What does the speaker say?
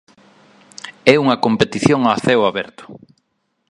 É unha competición a ceo aberto.